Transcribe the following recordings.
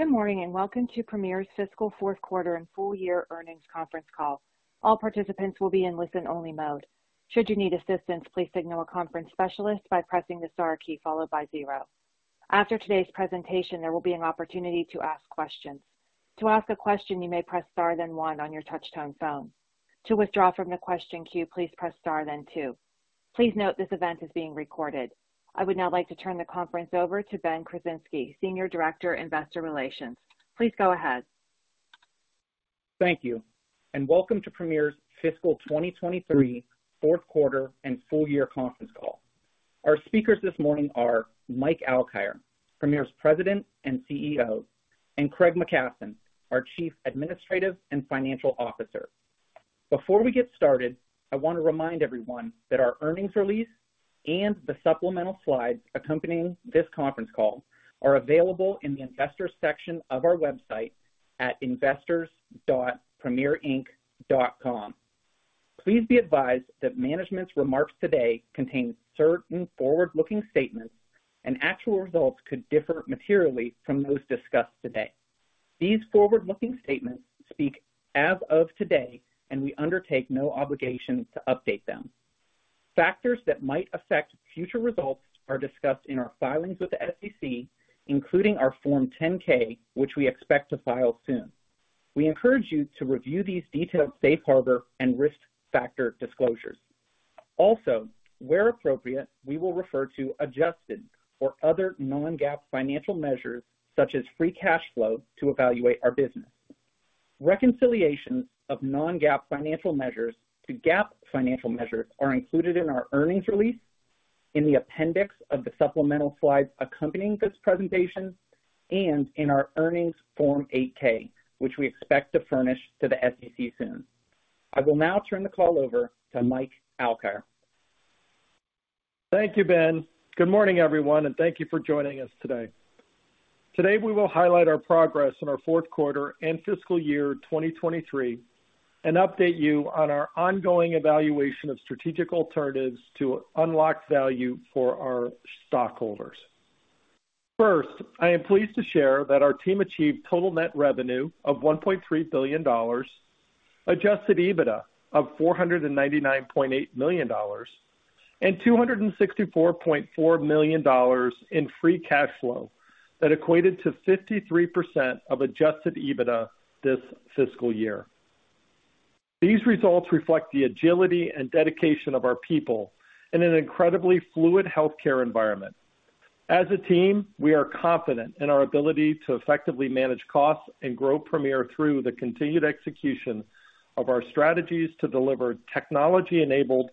Good morning, welcome to Premier's fiscal fourth quarter and full year earnings conference call. All participants will be in listen-only mode. Should you need assistance, please signal a conference specialist by pressing the star key followed by zero. After today's presentation, there will be an opportunity to ask questions. To ask a question, you may press star then one on your touchtone phone. To withdraw from the question queue, please press star then two. Please note, this event is being recorded. I would now like to turn the conference over to Ben Krasinski, Senior Director, Investor Relations. Please go ahead. Thank you, welcome to Premier's Fiscal 2023, Fourth Quarter and Full Year Conference Call. Our speakers this morning are Mike Alkire, Premier's President and CEO, and Craig McKasson, our Chief Administrative and Financial Officer. Before we get started, I want to remind everyone that our earnings release and the supplemental slides accompanying this conference call are available in the Investors section of our website at investors.premierinc.com. Please be advised that management's remarks today contain certain forward-looking statements, and actual results could differ materially from those discussed today. These forward-looking statements speak as of today, and we undertake no obligation to update them. Factors that might affect future results are discussed in our filings with the SEC, including our Form 10-K, which we expect to file soon. We encourage you to review these detailed safe harbor and risk factor disclosures. Also, where appropriate, we will refer to adjusted or other non-GAAP financial measures, such as free cash flow, to evaluate our business. Reconciliation of non-GAAP financial measures to GAAP financial measures are included in our earnings release, in the appendix of the supplemental slides accompanying this presentation, and in our earnings Form 8-K, which we expect to furnish to the SEC soon. I will now turn the call over to Mike Alkire. Thank you, Ben. Good morning, everyone. Thank you for joining us today. Today, we will highlight our progress in our fourth quarter and fiscal year 2023, update you on our ongoing evaluation of strategic alternatives to unlock value for our stockholders. First, I am pleased to share that our team achieved total net revenue of $1.3 billion, adjusted EBITDA of $499.8 million, and $264.4 million in free cash flow that equated to 53% of adjusted EBITDA this fiscal year. These results reflect the agility and dedication of our people in an incredibly fluid healthcare environment. As a team, we are confident in our ability to effectively manage costs and grow Premier through the continued execution of our strategies to deliver technology-enabled,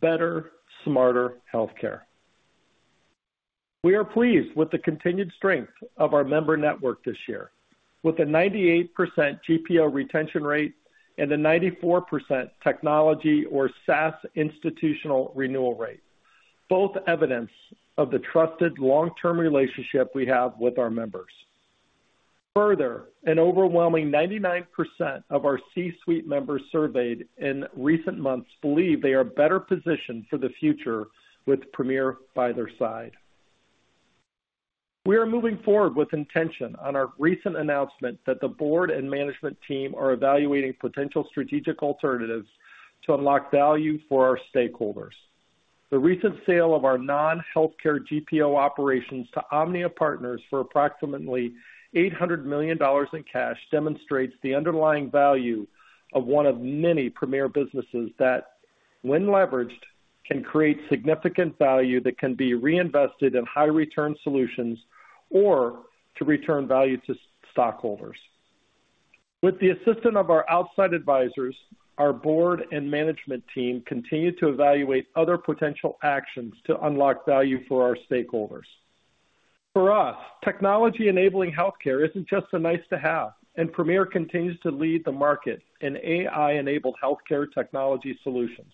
better, smarter healthcare. We are pleased with the continued strength of our member network this year, with a 98% GPO retention rate and a 94% technology or SaaS institutional renewal rate, both evidence of the trusted long-term relationship we have with our members. Further, an overwhelming 99% of our C-suite members surveyed in recent months believe they are better positioned for the future with Premier by their side. We are moving forward with intention on our recent announcement that the board and management team are evaluating potential strategic alternatives to unlock value for our stakeholders. The recent sale of our non-healthcare GPO operations to OMNIA Partners for approximately $800 million in cash demonstrates the underlying value of one of many Premier businesses that, when leveraged, can create significant value that can be reinvested in high return solutions or to return value to stockholders. With the assistance of our outside advisors, our board and management team continue to evaluate other potential actions to unlock value for our stakeholders. For us, technology-enabling healthcare isn't just a nice to have. Premier continues to lead the market in AI-enabled healthcare technology solutions.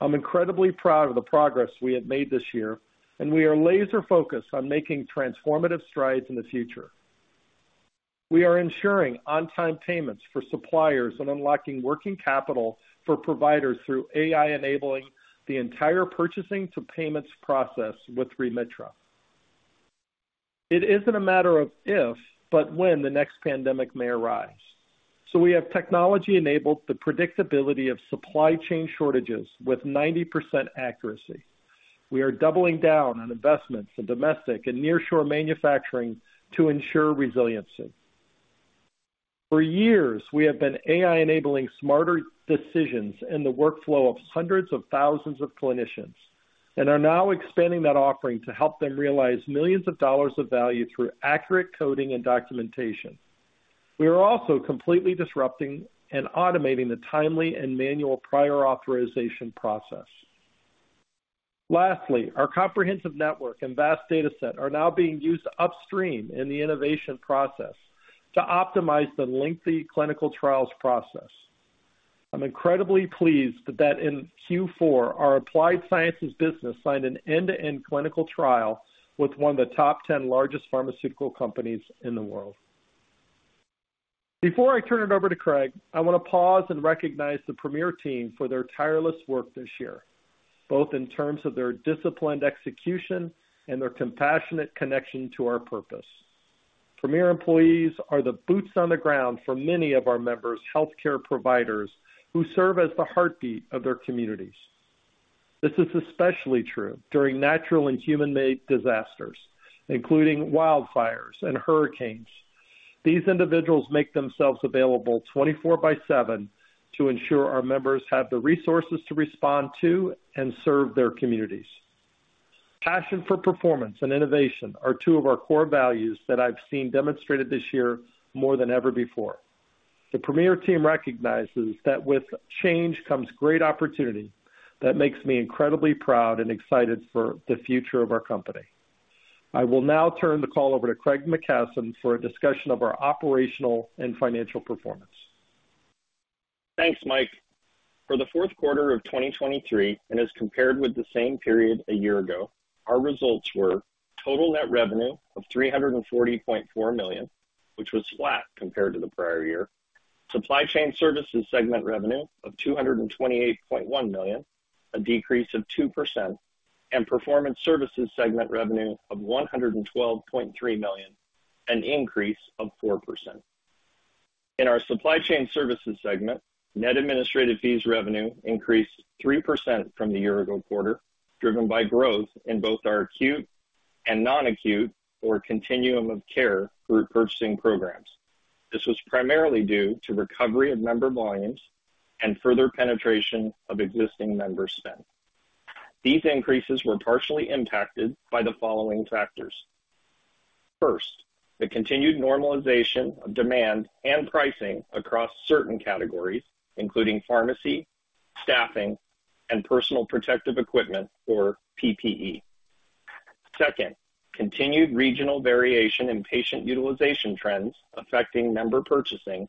I'm incredibly proud of the progress we have made this year. We are laser focused on making transformative strides in the future. We are ensuring on-time payments for suppliers and unlocking working capital for providers through AI, enabling the entire purchasing to payments process with Remitra. It isn't a matter of if, but when the next pandemic may arise. We have technology enabled the predictability of supply chain shortages with 90% accuracy. We are doubling down on investments in domestic and nearshore manufacturing to ensure resiliency. For years, we have been AI-enabling smarter decisions in the workflow of hundreds of thousands of clinicians and are now expanding that offering to help them realize millions of dollars of value through accurate coding and documentation. We are also completely disrupting and automating the timely and manual prior authorization process. Lastly, our comprehensive network and vast data set are now being used upstream in the innovation process to optimize the lengthy clinical trials process. I'm incredibly pleased that in Q4, our Applied Sciences business signed an end-to-end clinical trial with one of the top 10 largest pharmaceutical companies in the world. Before I turn it over to Craig, I want to pause and recognize the Premier team for their tireless work this year, both in terms of their disciplined execution and their compassionate connection to our purpose. Premier employees are the boots on the ground for many of our members, healthcare providers, who serve as the heartbeat of their communities. This is especially true during natural and human-made disasters, including wildfires and hurricanes. These individuals make themselves available 24/7 to ensure our members have the resources to respond to and serve their communities. Passion for performance and innovation are two of our core values that I've seen demonstrated this year more than ever before. The Premier team recognizes that with change comes great opportunity. That makes me incredibly proud and excited for the future of our company. I will now turn the call over to Craig McKasson for a discussion of our operational and financial performance. Thanks, Mike. For the fourth quarter of 2023, and as compared with the same period a year ago, our results were total net revenue of $340.4 million, which was flat compared to the prior year. Supply Chain Services segment revenue of $228.1 million, a decrease of 2%, and Performance Services segment revenue of $112.3 million, an increase of 4%. In our Supply Chain Services segment, net administrative fees revenue increased 3% from the year ago quarter, driven by growth in both our acute and non-acute, or continuum of care, group purchasing programs. This was primarily due to recovery of member volumes and further penetration of existing member spend. These increases were partially impacted by the following factors: First, the continued normalization of demand and pricing across certain categories, including pharmacy, staffing, and personal protective equipment, or PPE. Second, continued regional variation in patient utilization trends affecting member purchasing.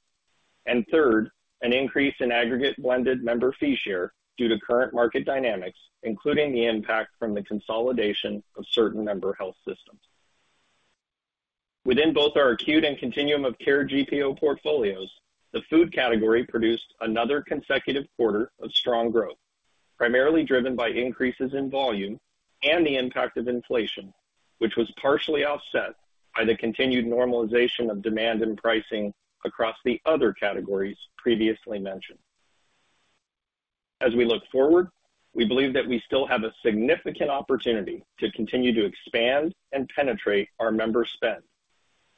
Third, an increase in aggregate blended member fee share due to current market dynamics, including the impact from the consolidation of certain member health systems. Within both our acute and continuum of care GPO portfolios, the food category produced another consecutive quarter of strong growth, primarily driven by increases in volume and the impact of inflation, which was partially offset by the continued normalization of demand and pricing across the other categories previously mentioned. As we look forward, we believe that we still have a significant opportunity to continue to expand and penetrate our member spend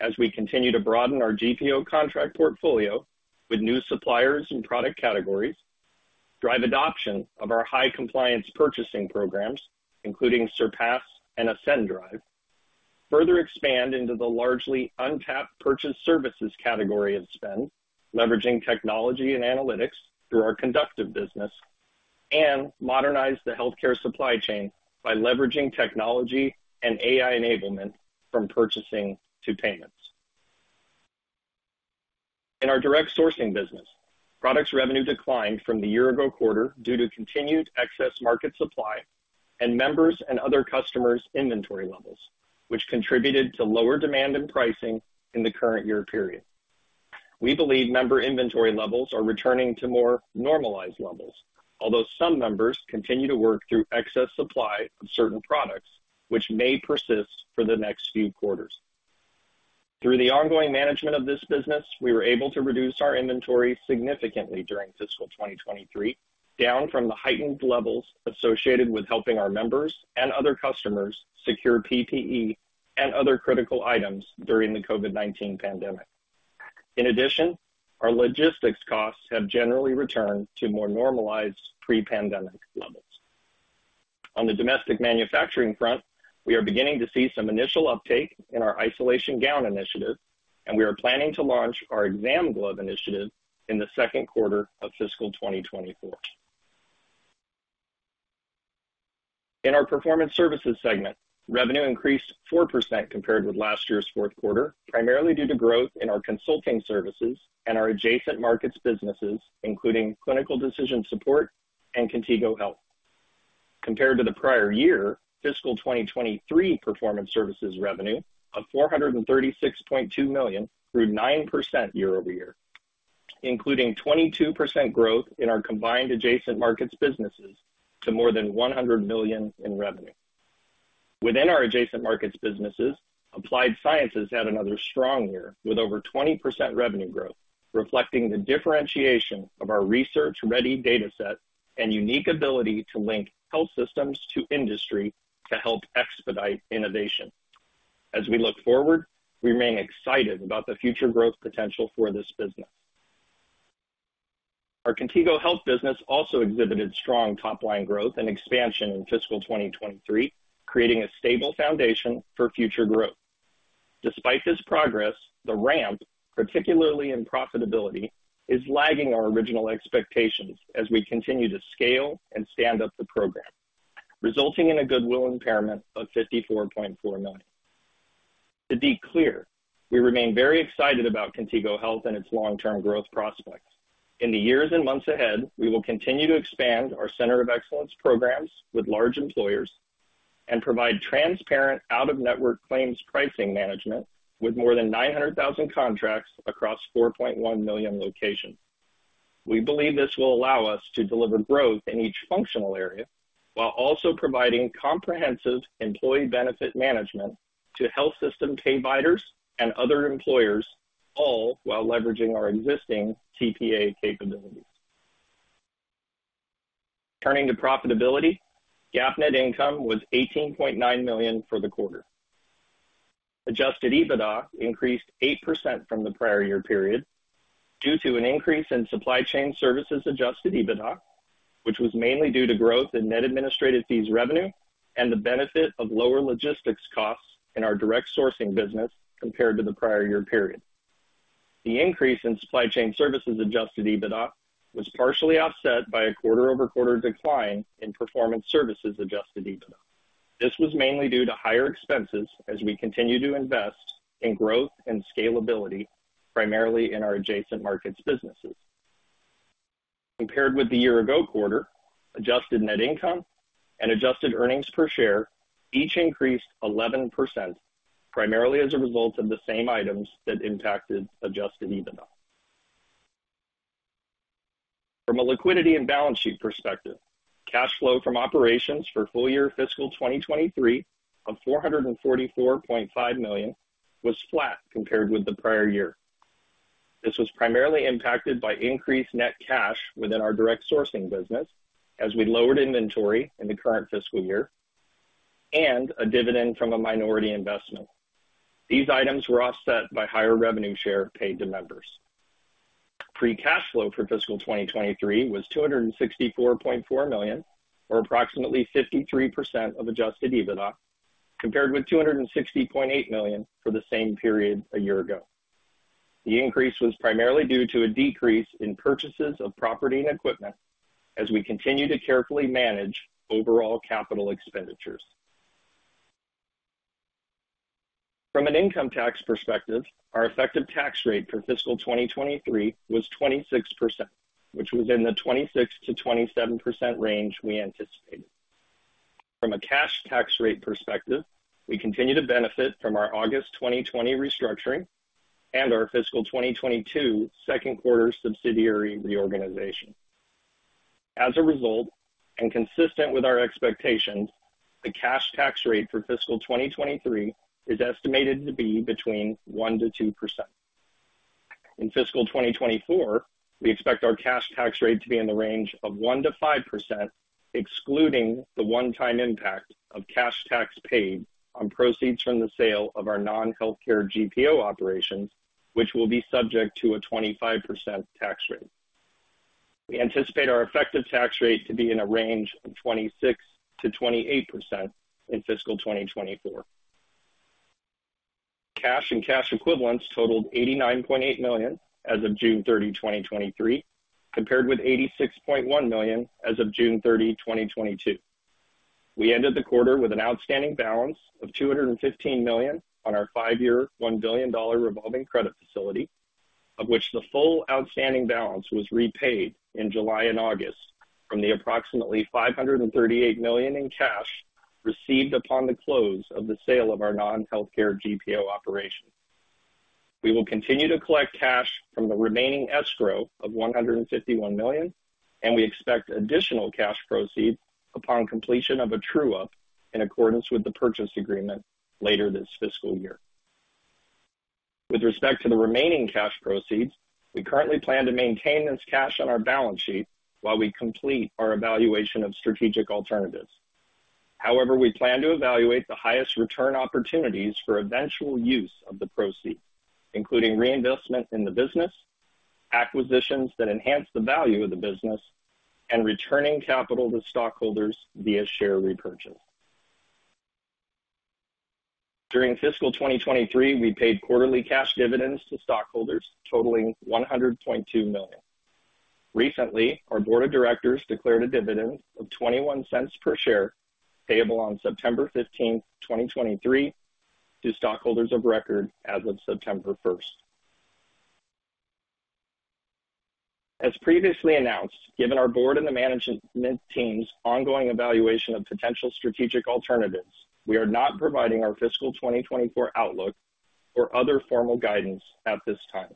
as we continue to broaden our GPO contract portfolio with new suppliers and product categories, drive adoption of our high compliance purchasing programs, including SURPASS and Ascend. Further expand into the largely untapped purchased services category of spend, leveraging technology and analytics through our Conductiv business, and modernize the healthcare supply chain by leveraging technology and AI enablement from purchasing to payments. In our direct sourcing business, products revenue declined from the year ago quarter due to continued excess market supply and members and other customers' inventory levels, which contributed to lower demand and pricing in the current year period. We believe member inventory levels are returning to more normalized levels, although some members continue to work through excess supply of certain products, which may persist for the next few quarters. Through the ongoing management of this business, we were able to reduce our inventory significantly during fiscal 2023, down from the heightened levels associated with helping our members and other customers secure PPE and other critical items during the COVID-19 pandemic. In addition, our logistics costs have generally returned to more normalized pre-pandemic levels. On the Domestic Manufacturing Front, we are beginning to see some initial uptake in our isolation gown initiative, and we are planning to launch our exam glove initiative in the second quarter of fiscal 2024. In our Performance Services segment, revenue increased 4% compared with last year's 4th quarter, primarily due to growth in our Consulting Services and our adjacent markets businesses, including Clinical Decision Support and Contigo Health. Compared to the prior year, fiscal 2023 Performance Services revenue of $436.2 million grew 9% year-over-year, including 22% growth in our combined adjacent markets businesses to more than $100 million in revenue. Within our adjacent markets businesses, Applied Sciences had another strong year, with over 20% revenue growth, reflecting the differentiation of our research-ready data set and unique ability to link health systems to industry to help expedite innovation. As we look forward, we remain excited about the future growth potential for this business. Our Contigo Health business also exhibited strong top-line growth and expansion in fiscal 2023, creating a stable foundation for future growth. Despite this progress, the ramp, particularly in profitability, is lagging our original expectations as we continue to scale and stand up the program, resulting in a goodwill impairment of $54.4 million. To be clear, we remain very excited about Contigo Health and its long-term growth prospects. In the years and months ahead, we will continue to expand our Center of Excellence programs with large employers.... and provide transparent out-of-network claims pricing management, with more than 900,000 contracts across 4.1 million locations. We believe this will allow us to deliver growth in each functional area, while also providing comprehensive employee benefit management to health system pay providers and other employers, all while leveraging our existing TPA capabilities. Turning to profitability, GAAP net income was $18.9 million for the quarter. Adjusted EBITDA increased 8% from the prior year period, due to an increase in Supply Chain Services adjusted EBITDA, which was mainly due to growth in net administrative fees revenue, and the benefit of lower logistics costs in our direct sourcing business compared to the prior year period. The increase in Supply Chain Services adjusted EBITDA was partially offset by a quarter-over-quarter decline in Performance Services adjusted EBITDA. This was mainly due to higher expenses as we continue to invest in growth and scalability, primarily in our adjacent markets businesses. Compared with the year-ago quarter, adjusted net income and adjusted earnings per share each increased 11%, primarily as a result of the same items that impacted adjusted EBITDA. From a liquidity and balance sheet perspective, cash flow from operations for full year fiscal 2023 of $444.5 million was flat compared with the prior year. This was primarily impacted by increased net cash within our direct sourcing business, as we lowered inventory in the current fiscal year, and a dividend from a minority investment. These items were offset by higher revenue share paid to members. Free cash flow for fiscal 2023 was $264.4 million, or approximately 53% of adjusted EBITDA, compared with $260.8 million for the same period a year ago. The increase was primarily due to a decrease in purchases of property and equipment as we continue to carefully manage overall capital expenditures. From an income tax perspective, our effective tax rate for fiscal 2023 was 26%, which was in the 26%-27% range we anticipated. From a cash tax rate perspective, we continue to benefit from our August 2020 restructuring and our fiscal 2022 second quarter subsidiary reorganization. As a result, and consistent with our expectations, the cash tax rate for fiscal 2023 is estimated to be between 1%-2%. In fiscal 2024, we expect our cash tax rate to be in the range of 1%-5%, excluding the one-time impact of cash tax paid on proceeds from the sale of our non-healthcare GPO operations, which will be subject to a 25% tax rate. We anticipate our effective tax rate to be in a range of 26%-28% in fiscal 2024. Cash and cash equivalents totaled $89.8 million as of June 30, 2023, compared with $86.1 million as of June 30, 2022. We ended the quarter with an outstanding balance of $215 million on our five-year, $1 billion revolving credit facility, of which the full outstanding balance was repaid in July and August from the approximately $538 million in cash received upon the close of the sale of our non-healthcare GPO operation. We will continue to collect cash from the remaining escrow of $151 million, and we expect additional cash proceeds upon completion of a true-up in accordance with the purchase agreement later this fiscal year. With respect to the remaining cash proceeds, we currently plan to maintain this cash on our balance sheet while we complete our evaluation of strategic alternatives. However, we plan to evaluate the highest return opportunities for eventual use of the proceeds, including reinvestment in the business, acquisitions that enhance the value of the business, and returning capital to stockholders via share repurchase. During fiscal 2023, we paid quarterly cash dividends to stockholders totaling $100.2 million. Recently, our board of directors declared a dividend of $0.21 per share, payable on September 15th, 2023, to stockholders of record as of September 1st. As previously announced, given our board and the management team's ongoing evaluation of potential strategic alternatives, we are not providing our fiscal 2024 outlook or other formal guidance at this time.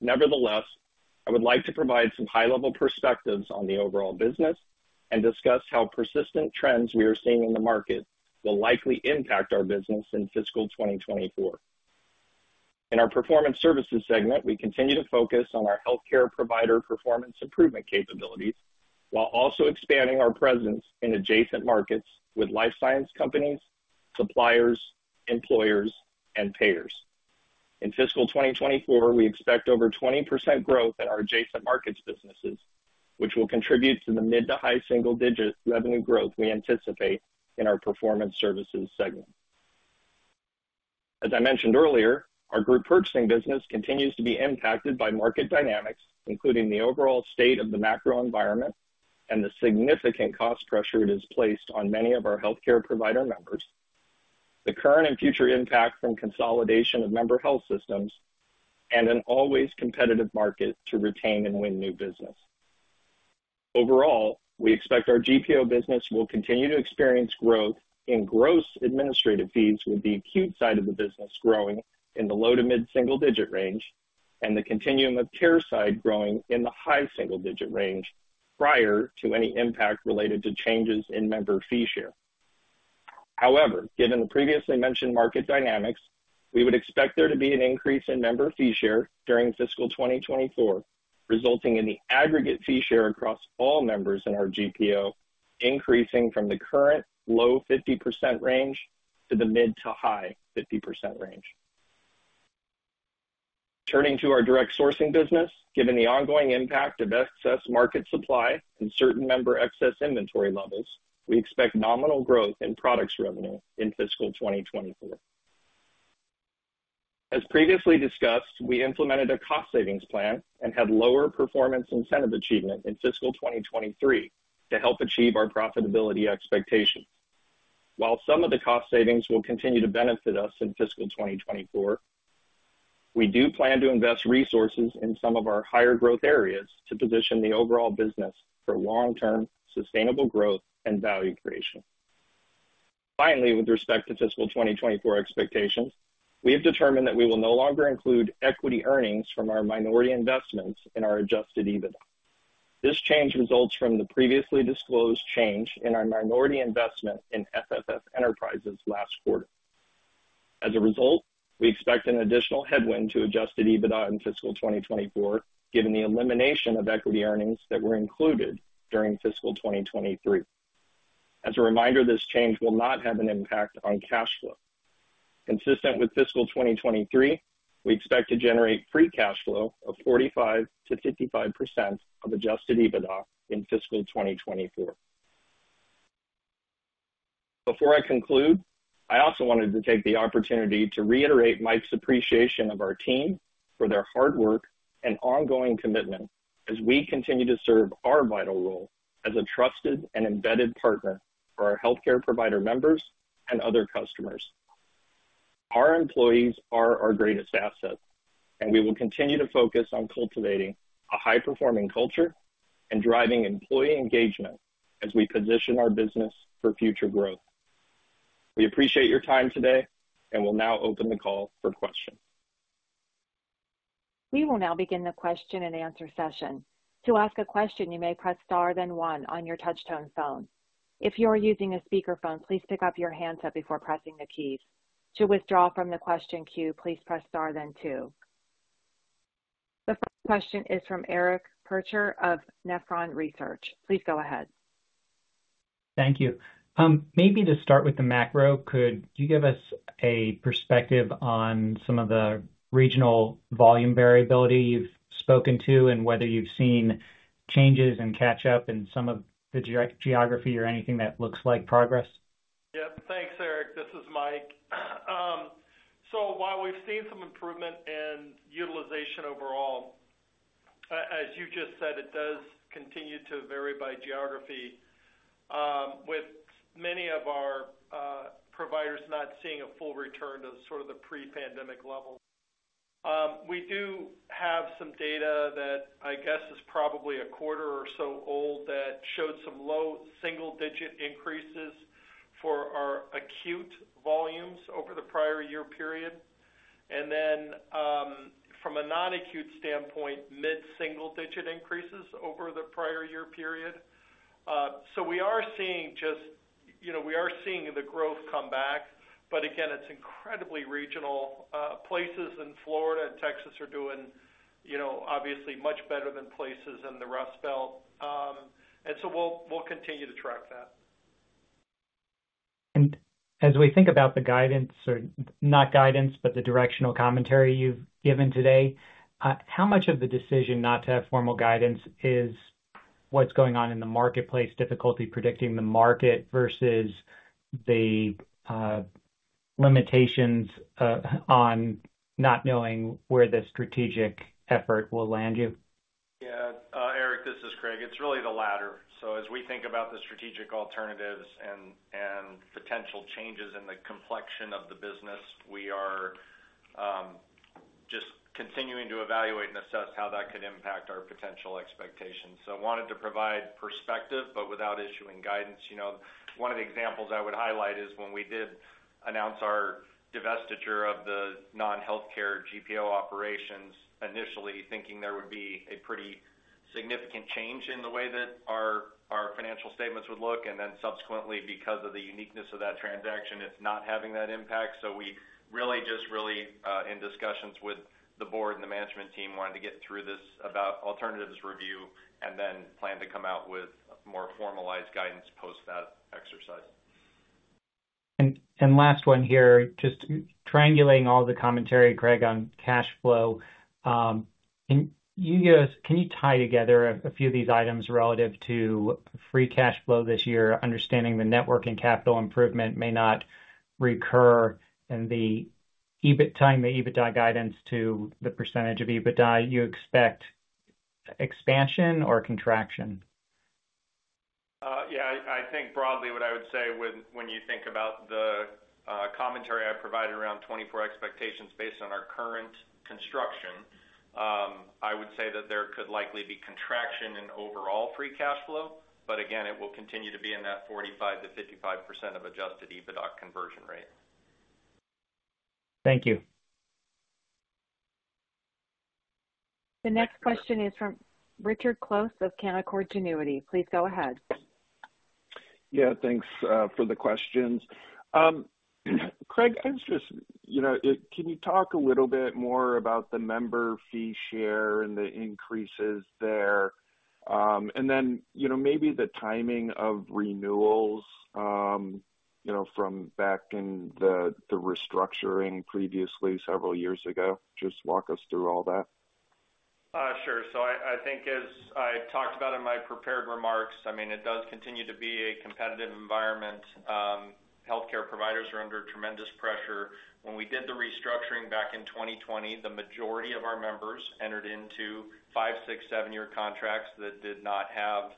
Nevertheless, I would like to provide some high-level perspectives on the overall business and discuss how persistent trends we are seeing in the market will likely impact our business in fiscal 2024. In our Performance Services segment, we continue to focus on our healthcare provider performance improvement capabilities, while also expanding our presence in adjacent markets with life science companies, suppliers, employers, and payers. In fiscal 2024, we expect over 20% growth in our adjacent markets businesses, which will contribute to the mid to high single-digit revenue growth we anticipate in our Performance Services segment. As I mentioned earlier, our group purchasing business continues to be impacted by market dynamics, including the overall state of the macro environment and the significant cost pressure it has placed on many of our healthcare provider members.... the current and future impact from consolidation of member health systems, and an always competitive market to retain and win new business. Overall, we expect our GPO business will continue to experience growth in gross administrative fees, with the acute side of the business growing in the low to mid-single digit range and the continuum of care side growing in the high single digit range prior to any impact related to changes in member fee share. However, given the previously mentioned market dynamics, we would expect there to be an increase in member fee share during fiscal 2024, resulting in the aggregate fee share across all members in our GPO, increasing from the current low 50% range to the mid to high 50% range. Turning to our direct sourcing business, given the ongoing impact of excess market supply and certain member excess inventory levels, we expect nominal growth in products revenue in fiscal 2024. As previously discussed, we implemented a cost savings plan and had lower performance incentive achievement in fiscal 2023 to help achieve our profitability expectations. While some of the cost savings will continue to benefit us in fiscal 2024, we do plan to invest resources in some of our higher growth areas to position the overall business for long-term, sustainable growth and value creation. Finally, with respect to fiscal 2024 expectations, we have determined that we will no longer include equity earnings from our minority investments in our adjusted EBITDA. This change results from the previously disclosed change in our minority investment in FFF Enterprises last quarter. As a result, we expect an additional headwind to adjusted EBITDA in fiscal 2024, given the elimination of equity earnings that were included during fiscal 2023. As a reminder, this change will not have an impact on cash flow. Consistent with fiscal 2023, we expect to generate free cash flow of 45%-55% of adjusted EBITDA in fiscal 2024. Before I conclude, I also wanted to take the opportunity to reiterate Mike's appreciation of our team for their hard work and ongoing commitment as we continue to serve our vital role as a trusted and embedded partner for our healthcare provider members and other customers. Our employees are our greatest asset, and we will continue to focus on cultivating a high-performing culture and driving employee engagement as we position our business for future growth. We appreciate your time today, and we'll now open the call for questions. We will now begin the question and answer session. To ask a question, you may press Star, then One on your touchtone phone. If you are using a speakerphone, please pick up your handset before pressing the keys. To withdraw from the question queue, please press Star then Two. The first question is from Eric Percher of Nephron Research. Please go ahead. Thank you. Maybe to start with the macro, could you give us a perspective on some of the regional volume variability you've spoken to, and whether you've seen changes and catch up in some of the geography or anything that looks like progress? Yep. Thanks, Eric. This is Mike. While we've seen some improvement in utilization overall, as you just said, it does continue to vary by geography, with many of our providers not seeing a full return to sort of the pre-pandemic level. We do have some data that I guess is probably a quarter or so old, that showed some low single-digit increases for our acute volumes over the prior year period, and then, from a non-acute standpoint, mid-single-digit increases over the prior year period. We are seeing just, you know, we are seeing the growth come back. Again, it's incredibly regional. Places in Florida and Texas are doing, you know, obviously much better than places in the Rust Belt. So we'll, we'll continue to track that. As we think about the guidance, or not guidance, but the directional commentary you've given today, how much of the decision not to have formal guidance is what's going on in the marketplace, difficulty predicting the market, versus the limitations on not knowing where the strategic effort will land you? Yeah, Eric, this is Craig. It's really the latter. As we think about the strategic alternatives and, and potential changes in the complexion of the business, we are just continuing to evaluate and assess how that could impact our potential expectations. I wanted to provide perspective, but without issuing guidance. You know, one of the examples I would highlight is when we did announce our divestiture of the non-healthcare GPO operations, initially thinking there would be a pretty significant change in the way that our, our financial statements would look, and then subsequently, because of the uniqueness of that transaction, it's not having that impact. We really just really in discussions with the board and the management team, wanted to get through this about alternatives review and then plan to come out with more formalized guidance post that exercise. Last one here, just triangulating all the commentary, Craig, on cash flow. Can you tie together a few of these items relative to free cash flow this year, understanding the network and capital improvement may not recur in the EBITDA, the EBITDA guidance to the % of EBITDA, you expect expansion or contraction?... yeah, I, I think broadly what I would say when, when you think about the commentary I provided around 2024 expectations based on our current construction, I would say that there could likely be contraction in overall free cash flow, but again, it will continue to be in that 45%-55% of adjusted EBITDA conversion rate. Thank you. The next question is from Richard Close of Canaccord Genuity. Please go ahead. Yeah, thanks, for the questions. Craig, I was just, you know, can you talk a little bit more about the member fee share and the increases there, and then, you know, maybe the timing of renewals, you know, from back in the, the restructuring previously, several years ago? Just walk us through all that. Sure. I, I think as I talked about in my prepared remarks, I mean, it does continue to be a competitive environment. Healthcare providers are under tremendous pressure. When we did the restructuring back in 2020, the majority of our members entered into five, six, svenyear contracts that did not have,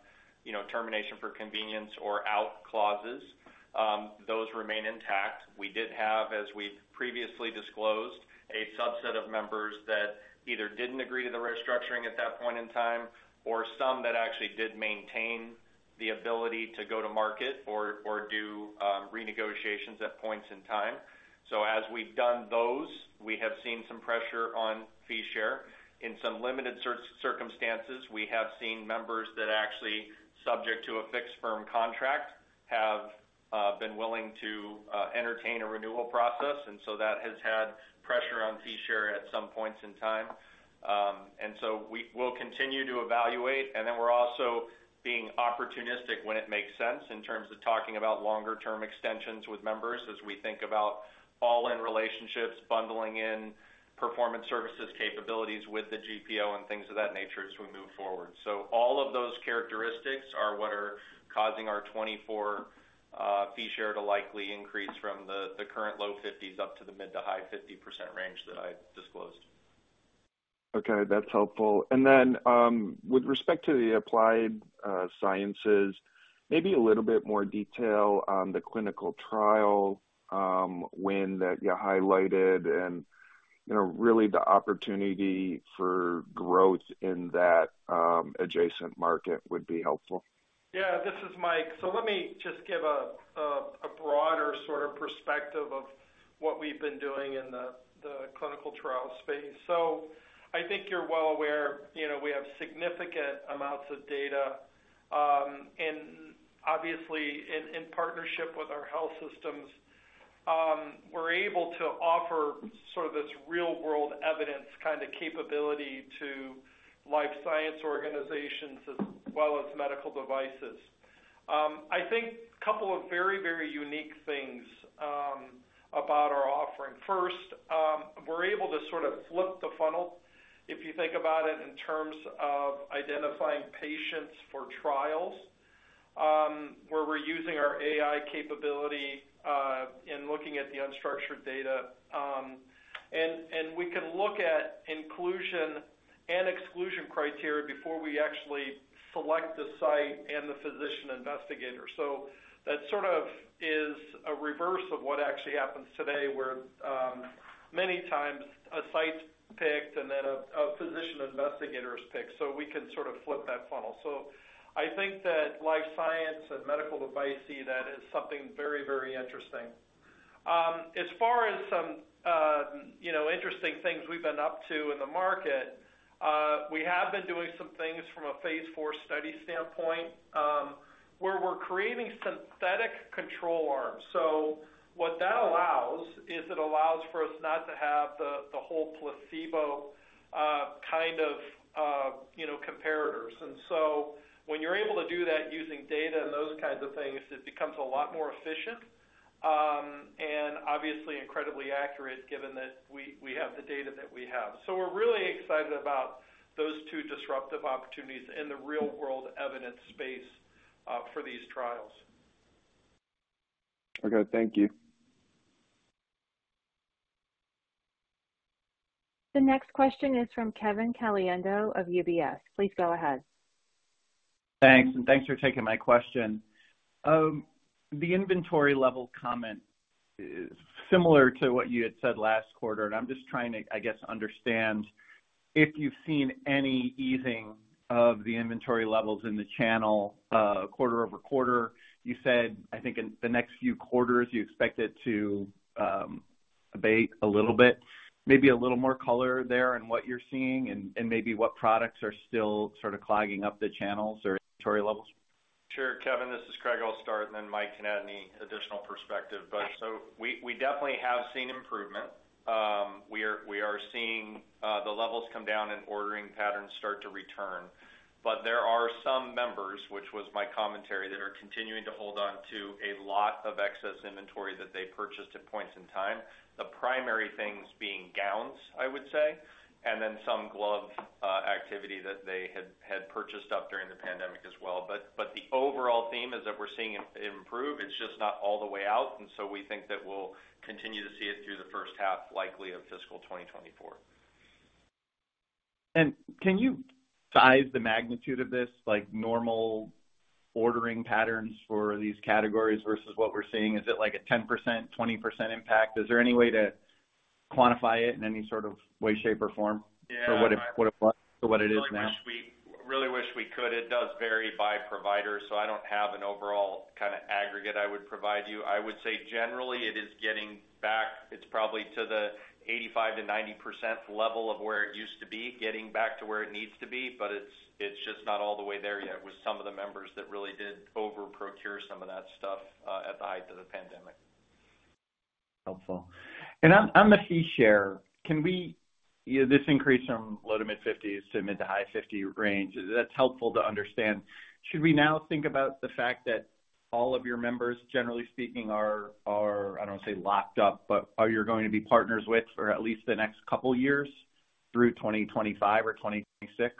you know, termination for convenience or out clauses. Those remain intact. We did have, as we've previously disclosed, a subset of members that either didn't agree to the restructuring at that point in time, or some that actually did maintain the ability to go to market or, or do renegotiations at points in time. As we've done those, we have seen some pressure on fee share. In some limited circumstances, we have seen members that actually, subject to a fixed firm contract, have been willing to entertain a renewal process, and so that has had pressure on fee share at some points in time. We'll continue to evaluate, and then we're also being opportunistic when it makes sense in terms of talking about longer-term extensions with members as we think about all-in relationships, bundling in Performance Services capabilities with the GPO and things of that nature as we move forward. All of those characteristics are what are causing our 2024 fee share to likely increase from the, the current low 50s up to the mid to high 50% range that I've disclosed. Okay, that's helpful. Then, with respect to the Applied Sciences, maybe a little bit more detail on the clinical trial win that you highlighted and, you know, really the opportunity for growth in that adjacent market would be helpful. Yeah, this is Mike. Let me just give a broader sort of perspective of what we've been doing in the clinical trial space. I think you're well aware, you know, we have significant amounts of data, and obviously, in partnership with our health systems, we're able to offer sort of this real-world evidence kind of capability to life science organizations as well as medical devices. I think a couple of very unique things about our offering. First, we're able to sort of flip the funnel, if you think about it, in terms of identifying patients for trials, where we're using our AI capability in looking at the unstructured data. And we can look at inclusion and exclusion criteria before we actually select the site and the physician investigator. That sort of is a reverse of what actually happens today, where many times a site's picked and then a, a physician investigator is picked, so we can sort of flip that funnel. I think that life science and medical device see that as something very, very interesting. As far as some, you know, interesting things we've been up to in the market, we have been doing some things from a phase four study standpoint, where we're creating synthetic control arms. What that allows is it allows for us not to have the, the whole placebo, kind of, you know, comparators. When you're able to do that using data and those kinds of things, it becomes a lot more efficient, and obviously incredibly accurate, given that we, we have the data that we have. We're really excited about those two disruptive opportunities in the real-world evidence space, for these trials. Okay, thank you. The next question is from Kevin Caliendo of UBS. Please go ahead. Thanks. Thanks for taking my question. The inventory level comment is similar to what you had said last quarter, and I'm just trying to, I guess, understand if you've seen any easing of the inventory levels in the channel, quarter-over-quarter. You said, I think in the next few quarters, you expect it to abate a little bit. Maybe a little more color there on what you're seeing and, and maybe what products are still sort of clogging up the channels or inventory levels? Sure, Kevin, this is Craig. I'll start, and then Mike can add any additional perspective. We, we definitely have seen improvement. We are, we are seeing the levels come down and ordering patterns start to return. There are some members, which was my commentary, that are continuing to hold on to a lot of excess inventory that they purchased at points in time. The primary things being gowns, I would say, and then some glove activity that they had, had purchased up during the pandemic as well. The overall theme is that we're seeing it improve. It's just not all the way out, and so we think that we'll continue to see it through the first half, likely, of fiscal 2024.... can you size the magnitude of this, like, normal ordering patterns for these categories versus what we're seeing? Is it like a 10%, 20% impact? Is there any way to quantify it in any sort of way, shape, or form for what it, what it was to what it is now? Yeah, I really wish we, really wish we could. It does vary by provider, so I don't have an overall kind of aggregate I would provide you. I would say generally, it is getting back. It's probably to the 85%-90% level of where it used to be, getting back to where it needs to be, but it's, it's just not all the way there yet with some of the members that really did over-procure some of that stuff, at the height of the pandemic. Helpful. On the fee share, this increase from low to mid-50s% to mid-to-high 50% range, that's helpful to understand. Should we now think about the fact that all of your members, generally speaking, are, I don't want to say locked up, but are you going to be partners with for at least the next couple of years through 2025 or 2026?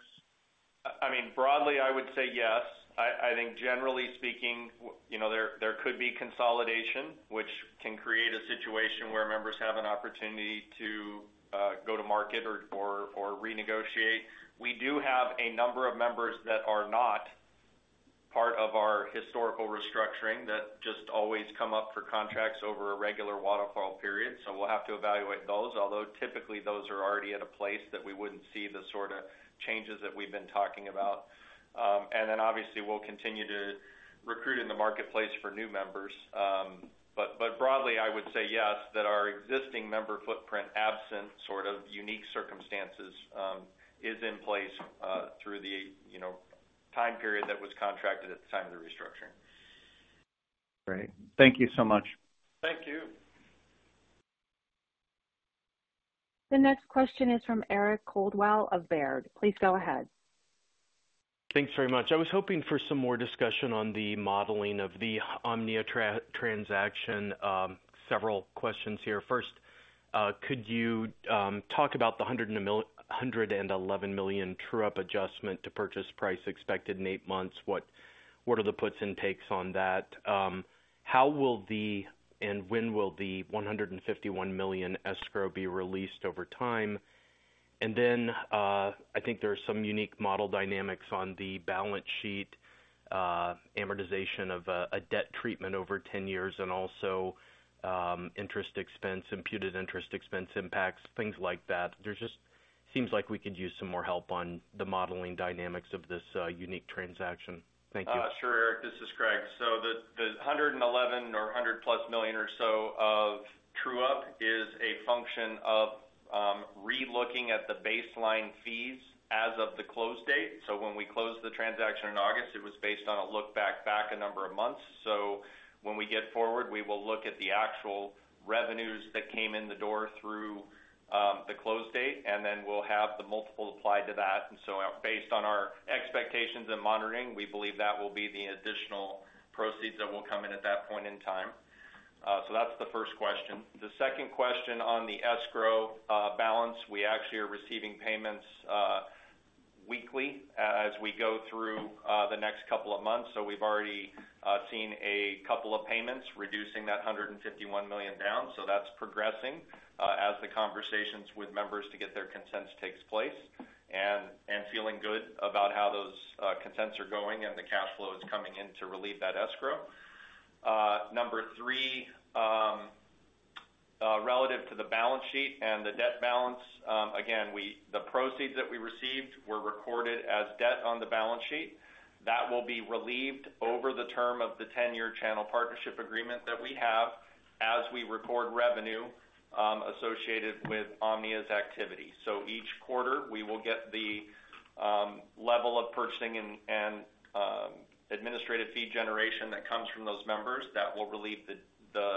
I mean, broadly, I would say yes. I think generally speaking, you know, there, there could be consolidation, which can create a situation where members have an opportunity to go to market or renegotiate. We do have a number of members that are not part of our historical restructuring that just always come up for contracts over a regular waterfall period, so we'll have to evaluate those. Although typically those are already at a place that we wouldn't see the sort of changes that we've been talking about. Then obviously, we'll continue to recruit in the marketplace for new members. But broadly, I would say yes, that our existing member footprint, absent sort of unique circumstances, is in place through the, you know, time period that was contracted at the time of the restructuring. Great. Thank you so much. Thank you. The next question is from Eric Coldwell of Baird. Please go ahead. Thanks very much. I was hoping for some more discussion on the modeling of the OMNIA transaction. Several questions here. First, could you talk about the $111 million true-up adjustment to purchase price expected in eight months? What are the puts and takes on that? How will the, when will the $151 million escrow be released over time? I think there are some unique model dynamics on the balance sheet, amortization of a debt treatment over 10 years, also interest expense, imputed interest expense impacts, things like that. There just seems like we could use some more help on the modeling dynamics of this unique transaction. Thank you. Sure, Eric. This is Craig. The, the $111 million or $100+ million or so of true-up is a function of relooking at the baseline fees as of the close date. When we closed the transaction in August, it was based on a look back, back a number of months. When we get forward, we will look at the actual revenues that came in the door through the close date, and then we'll have the multiple applied to that. Based on our expectations and monitoring, we believe that will be the additional proceeds that will come in at that point in time. That's the first question. The second question on the escrow balance, we actually are receiving payments weekly as we go through the next couple of months. We've already seen a couple of payments reducing that $151 million down. That's progressing as the conversations with members to get their consent takes place, and feeling good about how those consents are going and the cash flow is coming in to relieve that escrow. Number three, relative to the balance sheet and the debt balance, again, we the proceeds that we received were recorded as debt on the balance sheet. That will be relieved over the term of the 10-year channel partnership agreement that we have as we record revenue associated with OMNIA's activity. Each quarter, we will get the level of purchasing and administrative fee generation that comes from those members. That will relieve the, the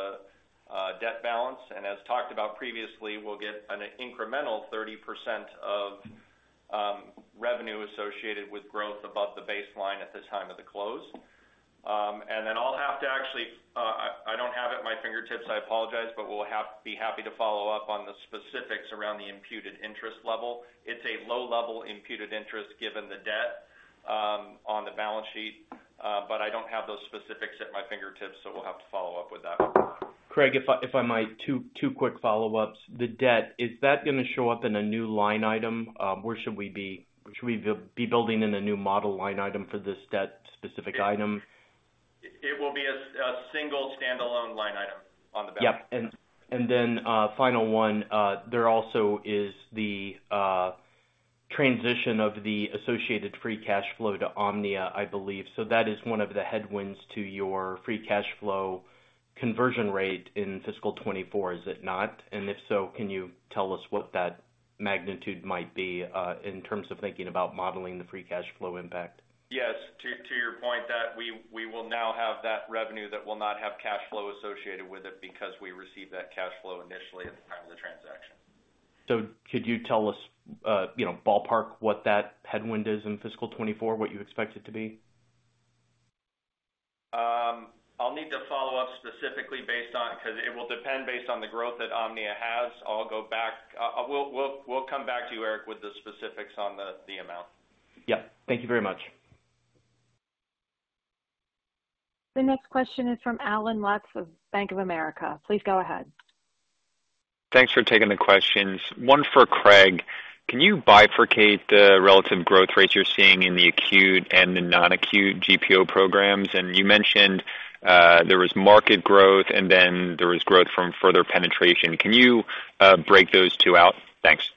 debt balance, and as talked about previously, we'll get an incremental 30% of revenue associated with growth above the baseline at the time of the close. I'll have to actually. I, I don't have it at my fingertips, I apologize, but we'll be happy to follow up on the specifics around the imputed interest level. It's a low-level imputed interest, given the debt on the balance sheet, but I don't have those specifics at my fingertips, so we'll have to follow up with that. Craig, if I, if I might, two, two quick follow-ups. The debt, is that going to show up in a new line item? Where should we, should we be, be building in a new model line item for this debt-specific item? It will be a single standalone line item on the balance sheet. Yep. Then, final one, there also is the transition of the associated free cash flow to OMNIA, I believe. That is one of the headwinds to your free cash flow conversion rate in fiscal 2024, is it not? If so, can you tell us what that magnitude might be, in terms of thinking about modeling the free cash flow impact? Yes, to, to your point, that we, we will now have that revenue that will not have cash flow associated with it because we received that cash flow initially at the time of the transaction. Could you tell us, you know, ballpark, what that headwind is in fiscal 2024, what you expect it to be? I'll need to follow up specifically based on, because it will depend based on the growth that Omnia has. I'll go back. we'll, we'll, we'll come back to you, Eric, with the specifics on the, the amount. Yeah. Thank you very much. The next question is from Allen Lutz of Bank of America. Please go ahead. Thanks for taking the questions. One for Craig: Can you bifurcate the relative growth rates you're seeing in the acute and the non-acute GPO programs? You mentioned, there was market growth and then there was growth from further penetration. Can you break those two out? Thanks.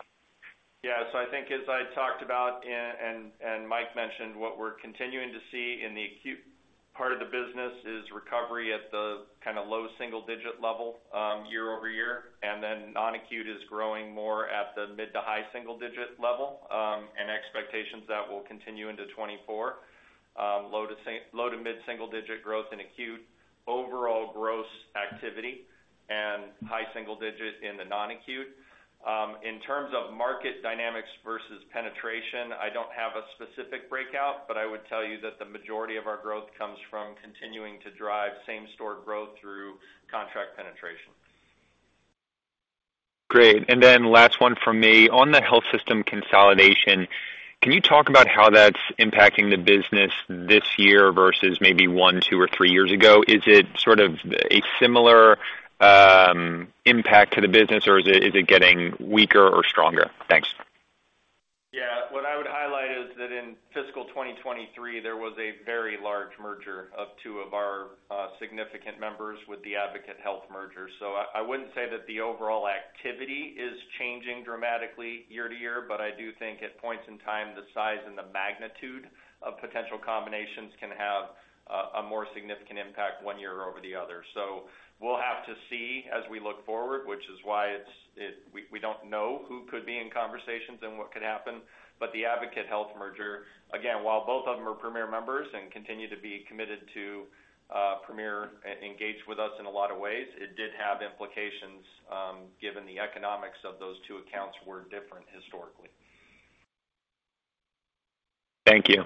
Yeah, so I think as I talked about and, and, and Mike mentioned, what we're continuing to see in the acute part of the business is recovery at the kinda low single-digit level, year-over-year, and then non-acute is growing more at the mid to high single-digit level, and expectations that will continue into 2024. Low to mid single-digit growth in acute, overall gross activity, and high single-digit in the non-acute. In terms of market dynamics versus penetration, I don't have a specific breakout, but I would tell you that the majority of our growth comes from continuing to drive same-store growth through contract penetration. Great. Then last one from me. On the health system consolidation, can you talk about how that's impacting the business this year versus maybe 1, 2, or 3 years ago? Is it sort of a similar, impact to the business, or is it, is it getting weaker or stronger? Thanks. Yeah. What I would highlight is that in fiscal 2023, there was a very large merger of two of our significant members with the Advocate Health merger. I, I wouldn't say that the overall activity is changing dramatically year-to-year, but I do think at points in time, the size and the magnitude of potential combinations can have a more significant impact one year over the other. We'll have to see as we look forward, which is why it's, we don't know who could be in conversations and what could happen. The Advocate Health merger, again, while both of them are Premier members and continue to be committed to Premier, and engage with us in a lot of ways, it did have implications, given the economics of those two accounts were different historically. Thank you.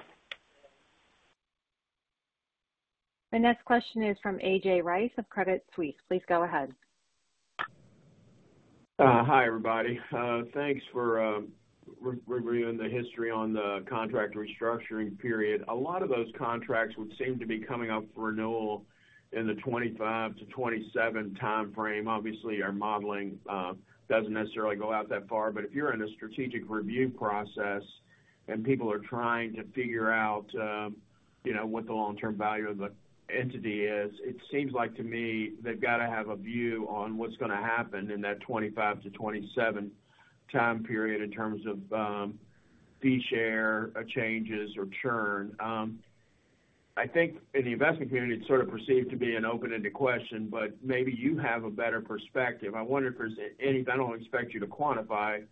The next question is from A.J. Rice of Credit Suisse. Please go ahead. Hi, everybody. Thanks for re-reviewing the history on the contract restructuring period. A lot of those contracts would seem to be coming up for renewal in the 2025 to 2027 time frame. Obviously, our modeling doesn't necessarily go out that far, but if you're in a strategic review process and people are trying to figure out, you know, what the long-term value of the entity is, it seems like to me, they've got to have a view on what's gonna happen in that 2025 to 2027 time period in terms of fee share changes or churn. I think in the investment community, it's sort of perceived to be an open-ended question, but maybe you have a better perspective. I wonder if there's any... I don't expect you to quantify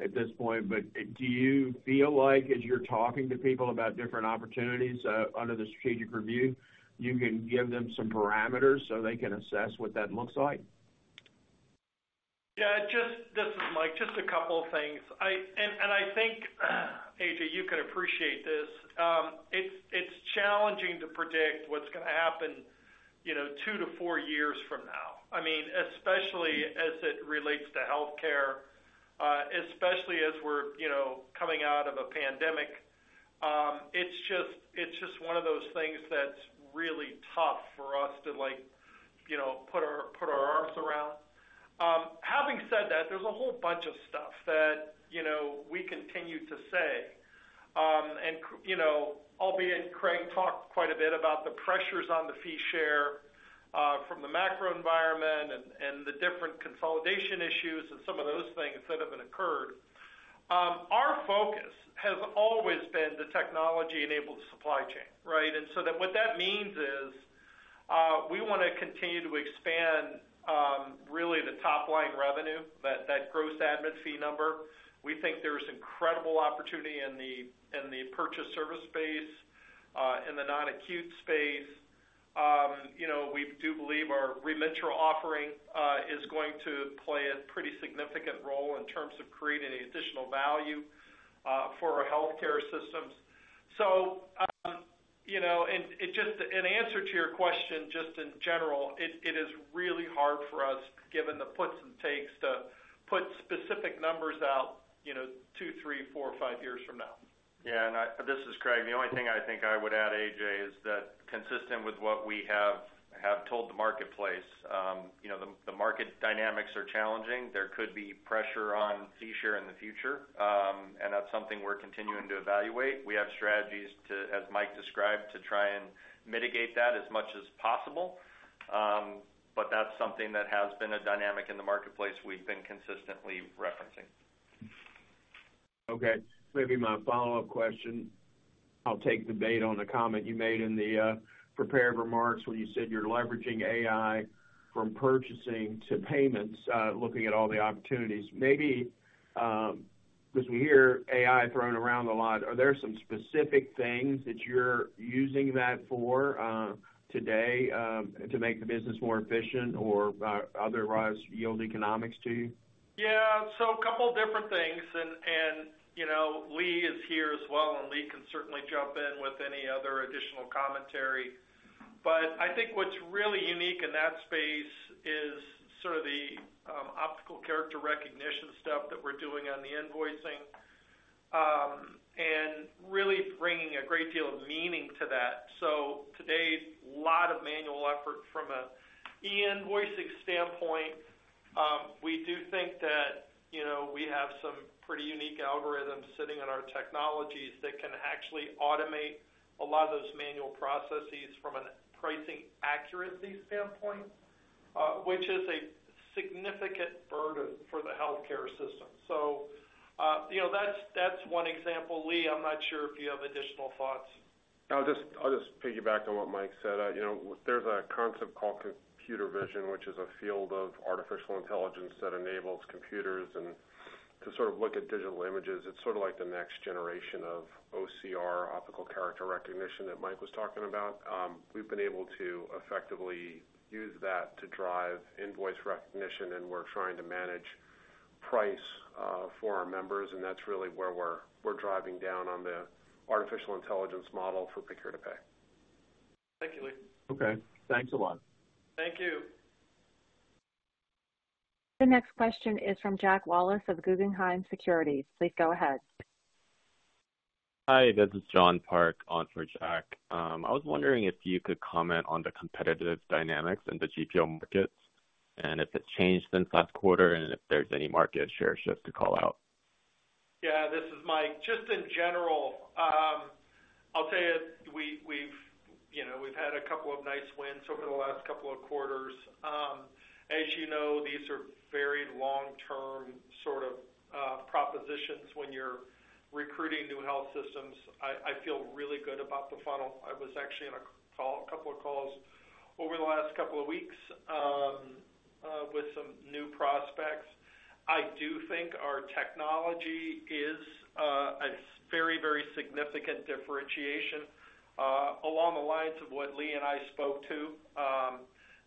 at this point, but do you feel like, as you're talking to people about different opportunities, under the strategic review, you can give them some parameters so they can assess what that looks like? Yeah, this is Mike, just a couple of things. I, and I think, AJ, you can appreciate this. It's, it's challenging to predict what's gonna happen, you know, two to four years from now. I mean, especially as it relates to healthcare, especially as we're, you know, coming out of a pandemic. It's just, it's just one of those things that's really tough for us to, like, you know, put our, put our arms around. Having said that, there's a whole bunch of stuff that, you know, we continue to say. You know, albeit Craig talked quite a bit about the pressures on the fee share from the macro environment and the different consolidation issues and some of those things that have been occurred. Our focus has always been the technology-enabled supply chain, right? What that means is, we wanna continue to expand really the top line revenue, that, that gross admin fee number. We think there's incredible opportunity in the, in the purchase service space, in the non-acute space. You know, we do believe our Remitra offering is going to play a pretty significant role in terms of creating additional value for our healthcare systems. You know, in answer to your question, just in general, it, it is really hard for us, given the puts and takes, to put specific numbers out, you know, two, three, four, five years from now. Yeah. This is Craig. The only thing I think I would add, AJ, is that consistent with what we have told the marketplace, you know, the market dynamics are challenging. There could be pressure on fee share in the future. That's something we're continuing to evaluate. We have strategies to, as Mike described, to try and mitigate that as much as possible. That's something that has been a dynamic in the marketplace we've been consistently referencing. Okay, maybe my follow-up question, I'll take the bait on the comment you made in the prepared remarks, where you said you're leveraging AI from purchasing to payments, looking at all the opportunities. Maybe, because we hear AI thrown around a lot, are there some specific things that you're using that for today to make the business more efficient or otherwise yield economics to you? A couple of different things, you know, Leigh is here as well, and Leigh can certainly jump in with any other additional commentary. I think what's really unique in that space, sort of the optical character recognition stuff that we're doing on the invoicing, and really bringing a great deal of meaning to that. Today, a lot of manual effort from a e-invoicing standpoint. We do think that, you know, we have some pretty unique algorithms sitting in our technologies that can actually automate a lot of those manual processes from a pricing accuracy standpoint, which is a significant burden for the healthcare system. You know, that's one example. Leigh, I'm not sure if you have additional thoughts. I'll just piggyback on what Mike said. You know, there's a concept called computer vision, which is a field of artificial intelligence that enables computers to sort of look at digital images. It's sort of like the next generation of OCR, optical character recognition, that Mike was talking about. We've been able to effectively use that to drive invoice recognition, and we're trying to manage price for our members, and that's really where we're, we're driving down on the artificial intelligence model for procure-to-pay. Thank you, Leigh. Okay, thanks a lot. Thank you. The next question is from Jack Wallace of Guggenheim Securities. Please go ahead. Hi, this is John Park on for Jack. I was wondering if you could comment on the competitive dynamics in the GPO markets, and if it's changed since last quarter, and if there's any market share shift to call out? Yeah, this is Mike. Just in general, I'll tell you, we, we've, you know, we've had two nice wins over the last two quarters. As you know, these are very long-term sort of propositions when you're recruiting new health systems. I, I feel really good about the funnel. I was actually in a couple of calls over the last two weeks with some new prospects. I do think our technology is a very, very significant differentiation along the lines of what Leigh and I spoke to,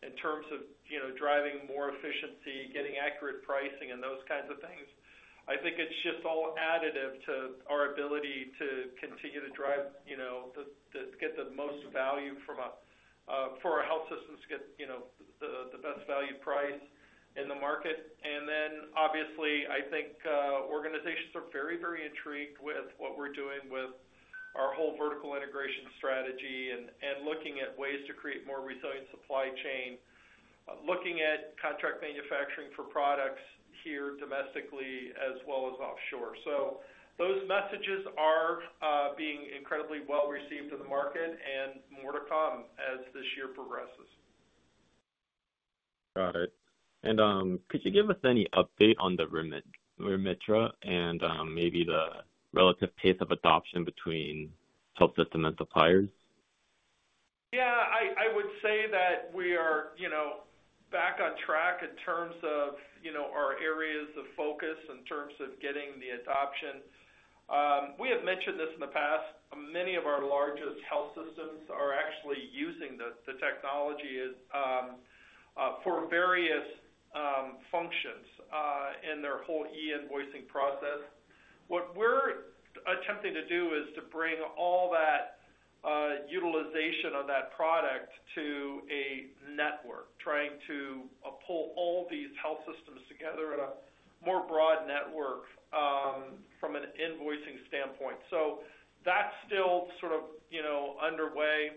in terms of, you know, driving more efficiency, getting accurate pricing and those kinds of things. I think it's just all additive to our ability to continue to drive, you know, the, to get the most value from a for our health systems to get, you know, the, the best value price in the market. Then, obviously, I think organizations are very, very intrigued with what we're doing with our whole vertical integration strategy and, and looking at ways to create more resilient supply chain, looking at contract manufacturing for products here domestically as well as offshore. Those messages are being incredibly well received in the market, and more to come as this year progresses. Got it. could you give us any update on the Remitra and, maybe the relative pace of adoption between health systems and suppliers? Yeah, I, I would say that we are, you know, back on track in terms of, you know, our areas of focus, in terms of getting the adoption. We have mentioned this in the past, many of our largest health systems are actually using the, the technology is for various functions in their whole e-invoicing process. What we're attempting to do is to bring all that utilization of that product to a network, trying to pull all these health systems together in a more broad network from an invoicing standpoint. That's still sort of, you know, underway.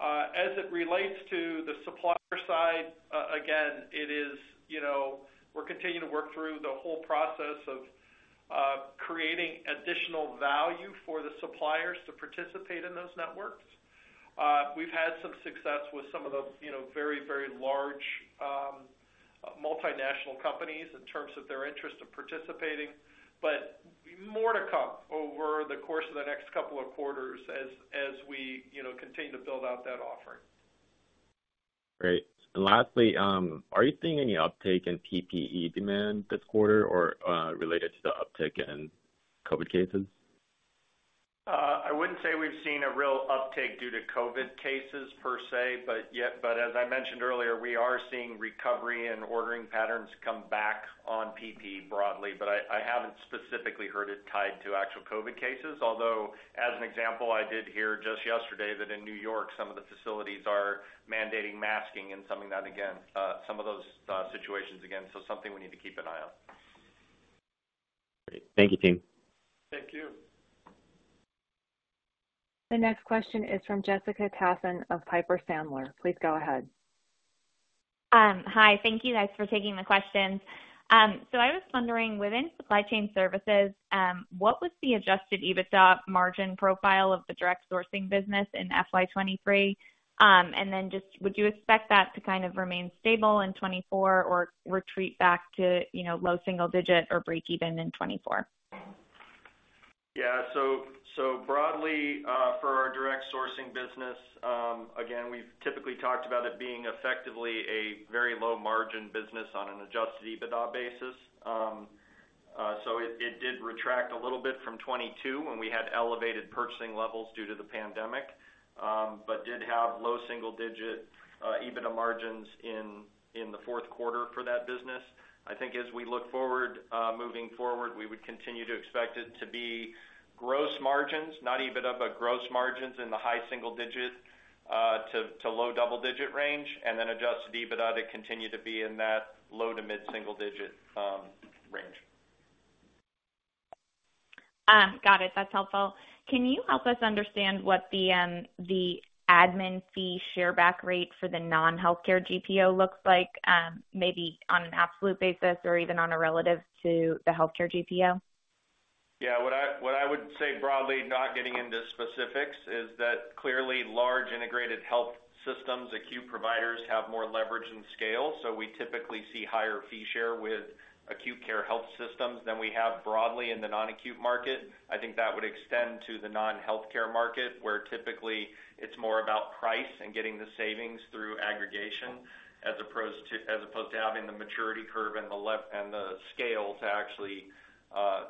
As it relates to the supplier side, again, it is, you know, we're continuing to work through the whole process of creating additional value for the suppliers to participate in those networks. We've had some success with some of the, you know, very, very large, multinational companies in terms of their interest of participating, but more to come over the course of the next couple of quarters as, as we, you know, continue to build out that offering. Great. Lastly, are you seeing any uptake in PPE demand this quarter or related to the uptick in COVID cases? I wouldn't say we've seen a real uptake due to COVID cases per se, but as I mentioned earlier, we are seeing recovery and ordering patterns come back on PPE broadly, but I, I haven't specifically heard it tied to actual COVID cases. Although, as an example, I did hear just yesterday that in New York, some of the facilities are mandating masking and some of that again, some of those situations again. Something we need to keep an eye on. Great. Thank you, team. Thank you. The next question is from Jessica Tassan of Piper Sandler. Please go ahead. Hi. Thank you guys for taking the questions. I was wondering, within Supply Chain Services, what was the adjusted EBITDA margin profile of the direct sourcing business in FY 2023? Just would you expect that to kind of remain stable in 2024 or retreat back to, you know, low single-digit or breakeven in 2024? Yeah. So broadly, for our direct sourcing business, again, we've typically talked about it being effectively a very low-margin business on an adjusted EBITDA basis. It did retract a little bit from 2022 when we had elevated purchasing levels due to the pandemic, but did have low single-digit EBITDA margins in the fourth quarter for that business. I think as we look forward, moving forward, we would continue to expect it to be gross margins, not EBITDA, but gross margins in the high single-digit to low double-digit range, and then adjusted EBITDA to continue to be in that low to mid-single-digit range. Got it. That's helpful. Can you help us understand what the admin fee share back rate for the non-healthcare GPO looks like, maybe on an absolute basis or even on a relative to the healthcare GPO? Yeah, what I, what I would say broadly, not getting into specifics, is that clearly large integrated health systems, acute providers, have more leverage and scale. We typically see higher fee share with acute care health systems than we have broadly in the non-acute market. I think that would extend to the non-healthcare market, where typically it's more about price and getting the savings through aggregation, as opposed to, as opposed to having the maturity curve and the le-- and the scale to actually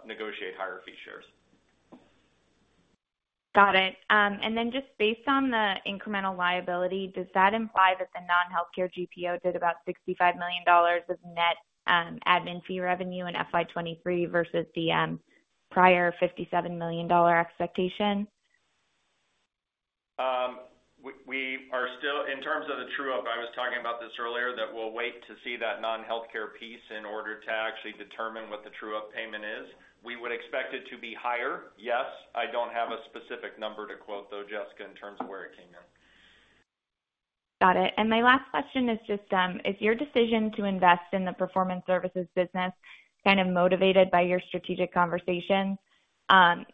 negotiate higher fee shares. Got it. Just based on the incremental liability, does that imply that the non-healthcare GPO did about $65 million of net admin fee revenue in FY 2023 versus the prior $57 million expectation? We are still, in terms of the true-up, I was talking about this earlier, that we'll wait to see that non-healthcare piece in order to actually determine what the true-up payment is. We would expect it to be higher, yes. I don't have a specific number to quote, though, Jessica, in terms of where it came from. Got it. My last question is just, is your decision to invest in the Performance Services business kind of motivated by your strategic conversations?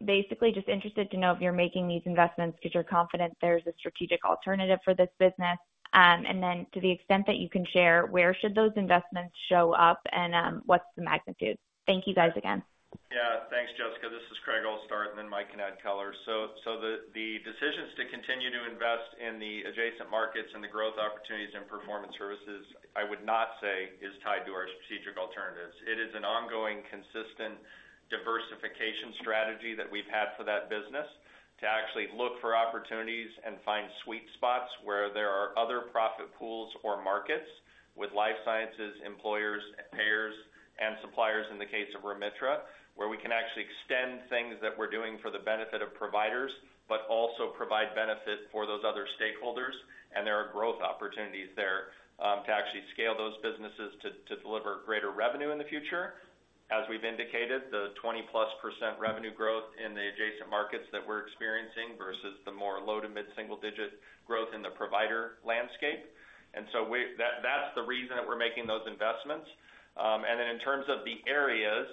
Basically, just interested to know if you're making these investments because you're confident there's a strategic alternative for this business. And then to the extent that you can share, where should those investments show up, and, what's the magnitude? Thank you, guys, again. Yeah. Thanks, Jessica. This is Craig McKasson. Then Mike can add color. The, the decisions to continue to invest in the adjacent markets and the growth opportunities in Performance Services, I would not say is tied to our strategic alternatives. It is an ongoing, consistent diversification strategy that we've had for that business to actually look for opportunities and find sweet spots where there are other profit pools or markets with life sciences, employers, payers, and suppliers in the case of Remitra, where we can actually extend things that we're doing for the benefit of providers, but also provide benefit for those other stakeholders. There are growth opportunities there to actually scale those businesses to, to deliver greater revenue in the future. As we've indicated, the 20%+ revenue growth in the adjacent markets that we're experiencing versus the more low to mid-single-digit growth in the provider landscape. That, that's the reason that we're making those investments. In terms of the areas,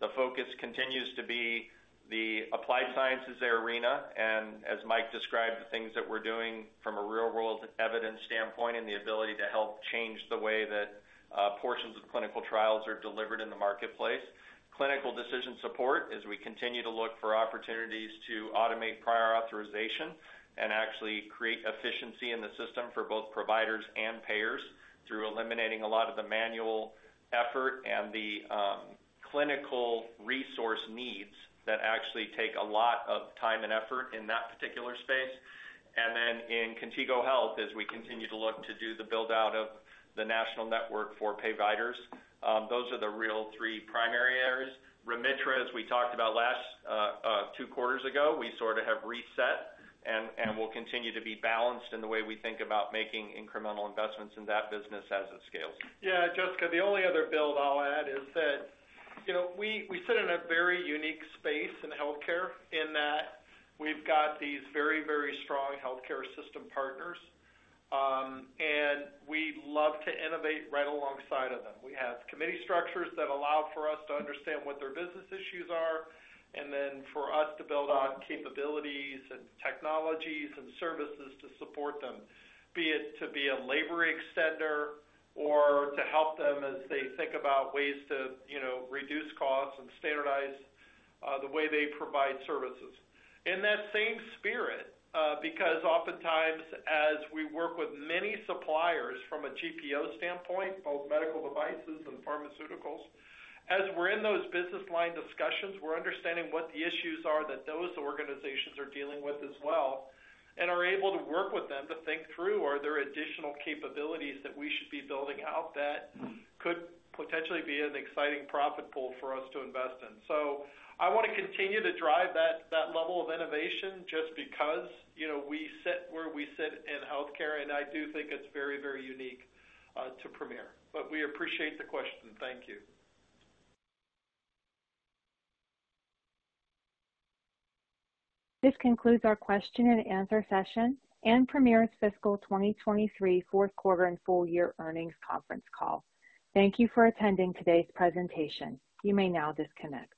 the focus continues to be the Applied Sciences arena, and as Mike described, the things that we're doing from a real-world evidence standpoint and the ability to help change the way that portions of clinical trials are delivered in the marketplace. Clinical Decision Support, as we continue to look for opportunities to automate prior authorization and actually create efficiency in the system for both providers and payers through eliminating a lot of the manual effort and the clinical resource needs that actually take a lot of time and effort in that particular space. Then in Contigo Health, as we continue to look to do the build-out of the national network for providers, those are the real three primary areas. Remitra, as we talked about last, two quarters ago, we sort of have reset and and will continue to be balanced in the way we think about making incremental investments in that business as it scales. Yeah, Jessica, the only other build I'll add is that, you know, we, we sit in a very unique space in healthcare in that we've got these very, very strong healthcare system partners, and we love to innovate right alongside of them. We have committee structures that allow for us to understand what their business issues are, and then for us to build on capabilities and technologies and services to support them, be it to be a labor extender or to help them as they think about ways to, you know, reduce costs and standardize the way they provide services. In that same spirit, because oftentimes as we work with many suppliers from a GPO standpoint, both medical devices and pharmaceuticals, as we're in those business line discussions, we're understanding what the issues are that those organizations are dealing with as well, and are able to work with them to think through, are there additional capabilities that we should be building out that could potentially be an exciting profit pool for us to invest in? I want to continue to drive that, that level of innovation just because, you know, we sit where we sit in healthcare, and I do think it's very, very unique to Premier. We appreciate the question. Thank you. This concludes our question and answer session and Premier's fiscal 2023 fourth quarter and full year earnings conference call. Thank you for attending today's presentation. You may now disconnect.